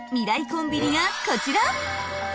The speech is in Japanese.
コンビニがこちら。